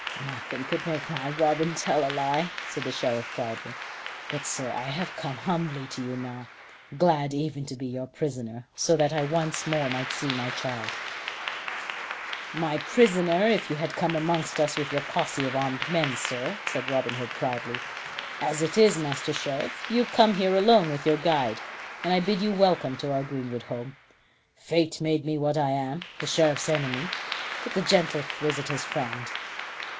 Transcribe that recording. "Nothing could make my boy Robin tell a lie," said the Sheriff proudly. "But, sir, I have come humbly to you now. Glad even to be your prisoner, so that I might once more see my child." "My prisoner if you had come amongst us with your posse of armed men, sir," said Robin Hood proudly. "As it is, Master Sheriff, you come here alone with your guide, and I bid you welcome to our greenwood home. Fate made me what I am, the Sheriff's enemy, but the gentle visitor's friend.